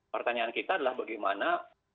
pertanyaan kita adalah bagaimana